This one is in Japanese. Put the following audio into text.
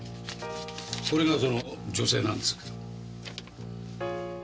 これがその女性なんですけど。